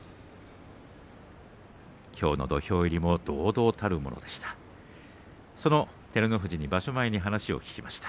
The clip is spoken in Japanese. きょうの土俵入りも堂々たるものでした。